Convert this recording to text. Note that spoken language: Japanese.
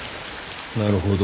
なるほど。